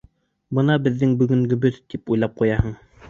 Бына беҙҙең бөгөнгөбөҙ, тип уйлап ҡуяһың.